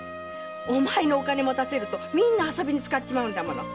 お前にお金持たせるとみんな遊びに使っちまうからね。